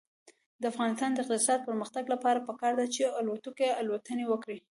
د افغانستان د اقتصادي پرمختګ لپاره پکار ده چې الوتکې الوتنې وکړي.